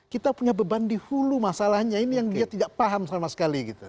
kita punya beban di hulu masalahnya ini yang dia tidak paham sama sekali gitu